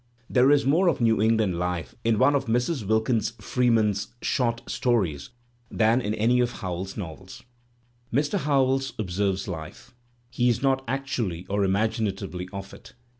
There is more of New England life lq one of Mrs. Wilkins Preeman's short stories than in any of Howells's novels. Mr. Howells observes life; he is not actually or imagina ^ tively of it.